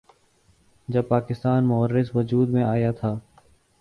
جب پاکستان معرض وجود میں آیا تھا۔